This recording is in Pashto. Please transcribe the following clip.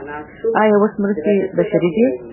آیا اوس مرستې بشري دي؟